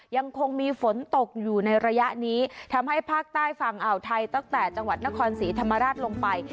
ยังคงมีฝนตกอยู่ในระยะนี้ทำให้ภาคใต้ฝั่งอ่าวไทยตั้งแต่จังหวัดนครศรีธรรมราชลงไป